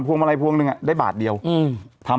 ภวงละบาทอ่ะ